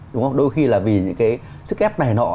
đúng không đôi khi là vì những cái sức ép này nọ